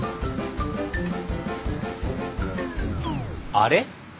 あれ？